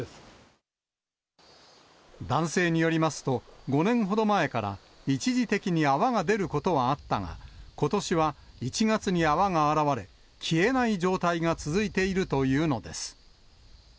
男性によりますと、５年ほど前から、一時的に泡が出ることはあったが、ことしは１月に泡が現れ、消えない状態が続いているというのです。